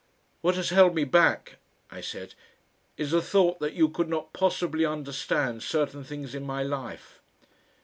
"What has held me back," I said, "is the thought that you could not possibly understand certain things in my life.